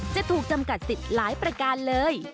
จะถูกจำกัดสิทธิ์หลายประการเลย